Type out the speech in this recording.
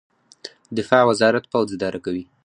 دفاع وزارت پوځ اداره کوي